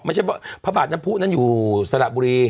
มันใช่พระบาทนพุนั่นอยู่สระบุรี